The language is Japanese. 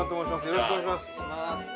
よろしくお願いします。